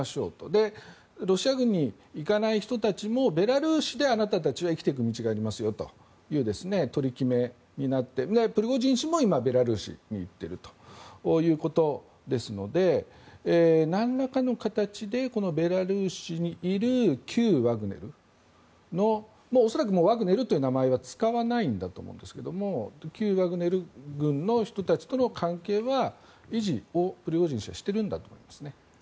で、ロシア軍に行かない人たちもベラルーシで、あなたたちは生きていく道がありますよという取り決めになってプリゴジン氏も今、ベラルーシに行っているということですのでなんらかの形でベラルーシにいる旧ワグネルの恐らくワグネルという名前は使わないと思うんですが旧ワグネル軍の人たちとの関係は維持をプリゴジン氏はしているんだと思いますね。